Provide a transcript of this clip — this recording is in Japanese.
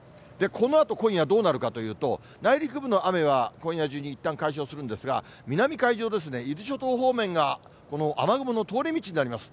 このあと、今夜どうなるかというと、内陸部の雨は今夜中にいったん解消するんですが、南海上ですね、伊豆諸島方面がこの雨雲の通り道になります。